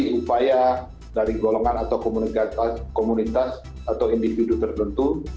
upaya dari golongan atau komunitas atau individu tertentu